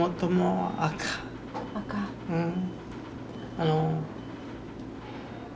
あの。